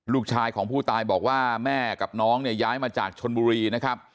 ลูกชายของผู้ตายบอกว่าแม่กับน้องเนี่ยย้ายมาจากชนบุรีนะครับ